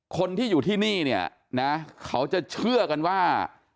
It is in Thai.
คนที่อยู่ที่นี่เนี่ยนะเขาจะเชื่อกันว่า